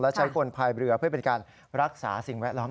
และใช้คนภายเรือเพื่อเป็นการรักษาสิ่งแวดล้อม